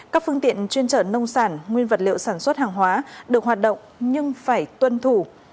các phương tiện chuyên trở nông sản nguyên vật liệu sản xuất hàng hóa được hoạt động nhưng phải tuân thủ